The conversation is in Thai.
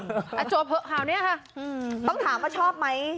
อืมอ่าจบข่าวเนี้ยค่ะอืมต้องถามว่าชอบไหม